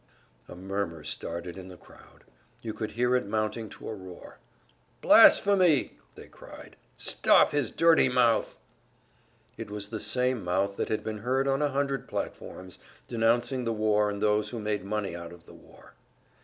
A murmur started in the crowd; you could hear it mounting to a roar. "Blasphemy!" they cried. "Stop his dirty mouth!" It was the same mouth that had been heard on a hundred platforms, denouncing the war and those who made money out of the war.